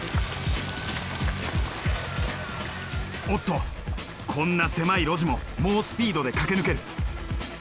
おっとこんな狭い路地も猛スピードで駆け抜ける。